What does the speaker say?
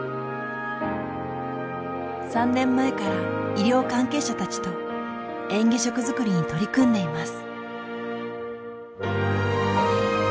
３年前から医療関係者たちとえん下食作りに取り組んでいます。